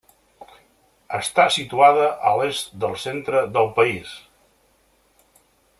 Està situada a l'est del centre del país.